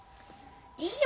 いいよ